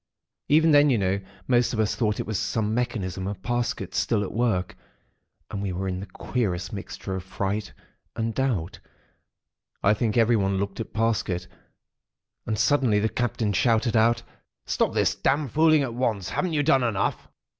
"Even then, you know, most of us thought it was some mechanism of Parsket's still at work; and we were in the queerest mixture of fright and doubt. I think everyone looked at Parsket. And suddenly the Captain shouted out: "'Stop this damned fooling at once. Haven't you done enough!'